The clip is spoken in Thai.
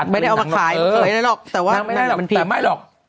ไม่ได้เอามาขายอะไรหรอกแต่ว่าไม่ได้หรอกแต่ไม่หรอก